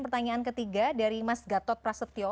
pertanyaan ketiga dari mas gatot prasetyo